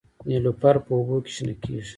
نیلوفر په اوبو کې شنه کیږي